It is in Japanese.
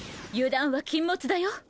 油断は禁物だよ！